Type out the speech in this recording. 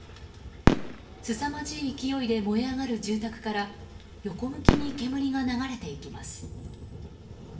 すさまじい勢いで燃え上がる住宅から横向きに煙が流れていきます。